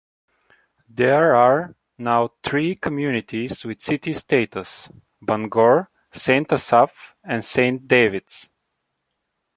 There are now three communities with city status: Bangor, Saint Asaph and Saint Davids.